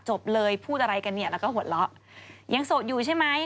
จบเลยพูดอะไรกันเนี่ยแล้วก็หัวเราะยังโสดอยู่ใช่ไหม